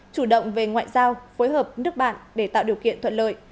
chủ động về ngoại giao phối hợp nước bạn để tạo điều kiện thuận lợi